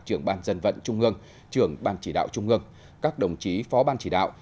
trưởng ban dân vận trung ương trưởng ban chỉ đạo trung ương các đồng chí phó ban chỉ đạo